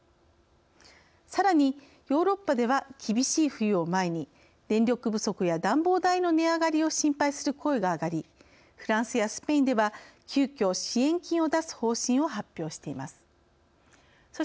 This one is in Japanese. さらにヨーロッパでは厳しい冬を前に電力不足や暖房代の値上がりを心配する声が上がりフランスやスペインでは急きょ支援金を出す方針を発表しています。